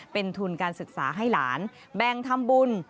เป็นทุนการศึกษาให้หลานแบ่งทำบุญ